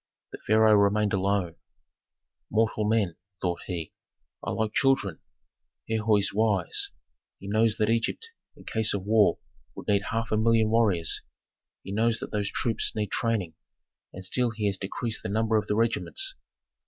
The pharaoh remained alone. "Mortal men," thought he, "are like children. Herhor is wise: he knows that Egypt in case of war would need half a million of warriors; he knows that those troops need training, and still he has decreased the number of the regiments.